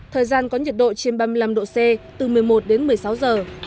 thời gian có nhiệt độ trên ba mươi năm độ c từ một mươi một đến một mươi sáu giờ